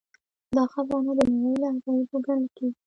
دا خزانه د نړۍ له عجايبو ګڼل کیږي